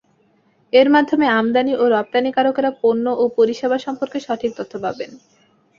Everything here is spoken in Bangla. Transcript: এর মাধ্যমে আমদানি ও রপ্তানিকারকেরা পণ্য ও পরিষেবা সম্পর্কে সঠিক তথ্য পাবেন।